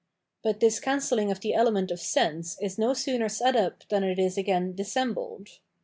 But this cancel ling of the element of sense is no sooner set up than it is again dissembled.